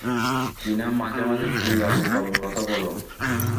টিনা, মাঝে মাঝে, কী আবোল-তাবোল কথা বলো।